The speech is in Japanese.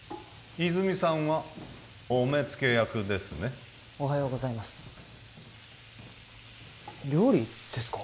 泉さんはお目付け役ですねおはようございます料理ですか？